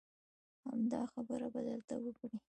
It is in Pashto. همدا خبره به درته وکړي.